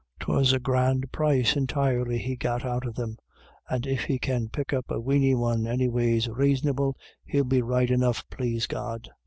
" 'Twas a grand price entirely he got out of thim, and if he can pick up a weeny one any ways raisonable, he'll be right enough, plase God.